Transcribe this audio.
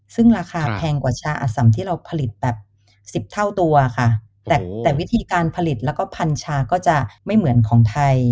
ซึ่งราคาแพงกว่าชาอสำที่เราผลิตแบบสิบเท่าตัวค่ะแต่แต่วิธีการผลิตแล้วก็พันชาก็จะไม่เหมือนของไทย